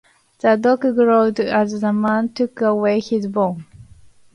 The dog growled as the man took away his bone.